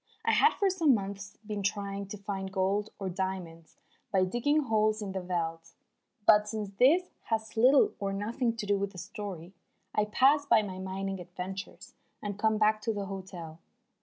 I had for some months been trying to find gold or diamonds by digging holes in the veldt. But since this has little or nothing to do with the story, I pass by my mining adventures and come back to the hotel.